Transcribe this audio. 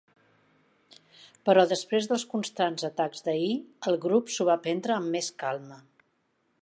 Però després dels constants atacs d'ahir, el grup s'ho va prendre amb més calma.